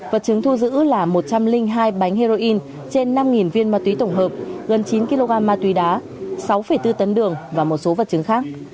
vật chứng thu giữ là một trăm linh hai bánh heroin trên năm viên ma túy tổng hợp gần chín kg ma túy đá sáu bốn tấn đường và một số vật chứng khác